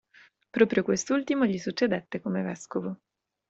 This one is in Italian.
Proprio quest'ultimo gli succedette come vescovo.